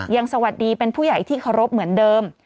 ยังสวัสดีเป็นผู้ใหญ่ที่เคารพเหมือนเดิม